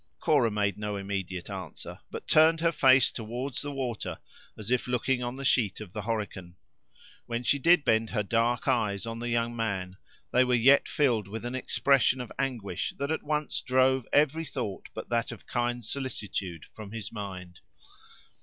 Cora made no immediate answer, but turned her face toward the water, as if looking on the sheet of the Horican. When she did bend her dark eyes on the young man, they were yet filled with an expression of anguish that at once drove every thought but that of kind solicitude from his mind.